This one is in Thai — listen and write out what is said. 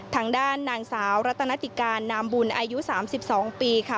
ทางด้านนางสาวรัตนติการนามบุญอายุ๓๒ปีค่ะ